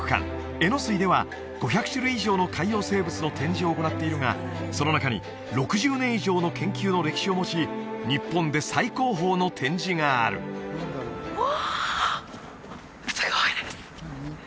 「えのすい」では５００種類以上の海洋生物の展示を行っているがその中に６０年以上の研究の歴史を持ち日本で最高峰の展示があるうわ